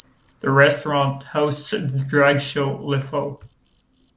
The restaurant hosts the drag show "Le Faux".